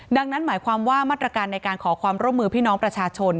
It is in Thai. ดังนั้นหมายความว่ามาตรการในการขอความร่วมมือพี่น้องประชาชน